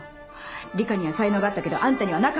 里香には才能があったけどあんたにはなかった